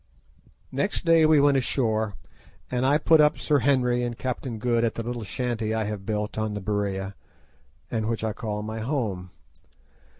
Next day we went ashore, and I put up Sir Henry and Captain Good at the little shanty I have built on the Berea, and which I call my home.